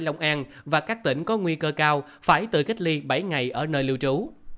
lòng an và các tỉnh có nguy cơ cao phải tự kết ly bảy ngày ở nơi lưu trú